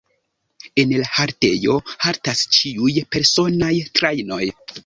En la haltejo haltas ĉiuj personaj trajnoj.